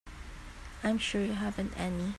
I'm sure you haven't any.